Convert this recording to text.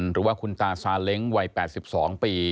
หรือว่าคุณตาซาเล้งวัย๘๒ปี